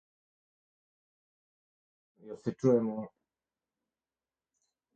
All of this is explained in detail in the article on sheaves.